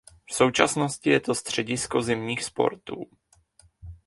V současnosti je to středisko zimních sportů.